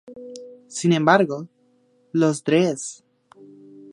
Sin embargo, los Dres.